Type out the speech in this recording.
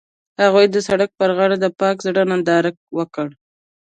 هغوی د سړک پر غاړه د پاک زړه ننداره وکړه.